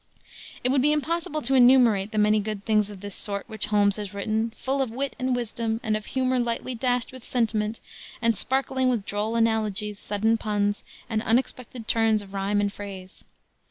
It would be impossible to enumerate the many good things of this sort which Holmes has written, full of wit and wisdom, and of humor lightly dashed with sentiment and sparkling with droll analogies, sudden puns, and unexpected turns of rhyme and phrase.